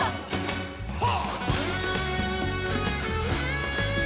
はっ！